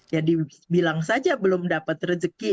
jadi bilang saja belum dapat rezeki